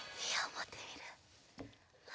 もってみる？